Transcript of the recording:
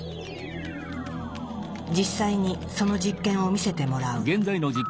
実際にその実験を見せてもらう。